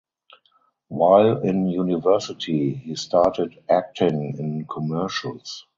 While in university he started acting in commercials.